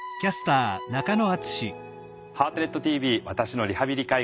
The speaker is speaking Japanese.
「ハートネットＴＶ私のリハビリ・介護」。